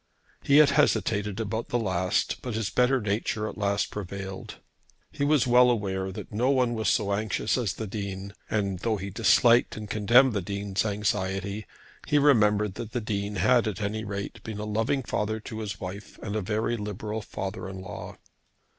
He had hesitated about the last, but his better nature at last prevailed. He was well aware that no one was so anxious as the Dean, and though he disliked and condemned the Dean's anxiety, he remembered that the Dean had at any rate been a loving father to his wife, and a very liberal father in law.